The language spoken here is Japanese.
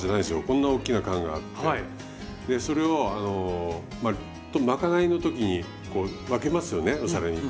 こんな大きな缶があってでそれを賄いの時に分けますよねお皿に。